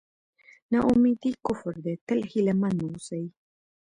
نا اميدي کفر دی تل هیله مند اوسئ.